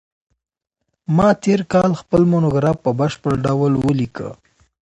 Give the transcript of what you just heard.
ما تېر کال خپل مونوګراف په بشپړ ډول ولیکه.